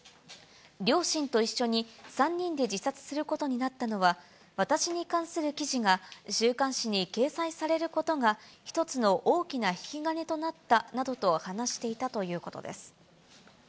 両親と一緒に３人で自殺することになったのは、私に関する記事が週刊誌に掲載されることが一つの大きな引き金となったなどと話していたということです。